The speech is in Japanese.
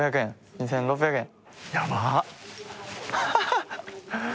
２，６００円。